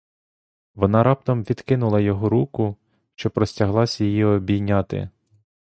Вона раптом відкинула його руку, що простяглась її обійняти.